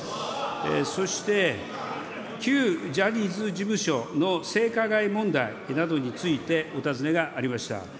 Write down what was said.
そして、旧ジャニーズ事務所の性加害問題などについてお尋ねがありました。